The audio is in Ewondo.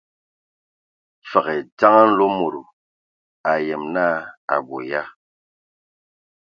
Fəg e dzeŋa Mlomodo, a ayem naa a abɔ ya.